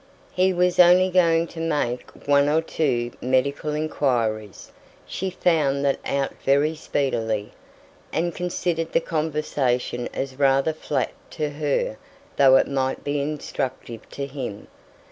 He was only going to make one or two medical inquiries; she found that out very speedily, and considered the conversation as rather flat to her, though it might be instructive to him.